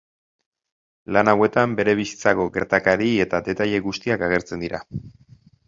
Lan hauetan bere bizitzako gertakari eta detaile guztiak agertzen dira.